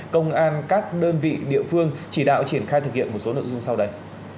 công an các đơn vị địa phương chỉ đạo triển khai thực hiện một số nội dung sau đây